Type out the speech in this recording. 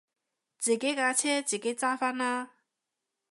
自己架車自己揸返啦